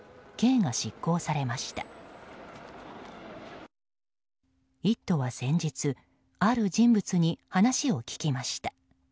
「イット！」は先日ある人物に話を聞きました。